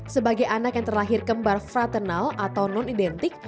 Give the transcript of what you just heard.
sebagai anak yang terlahir kembar fraternal atau non identik